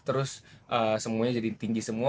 terus semuanya jadi tinggi semua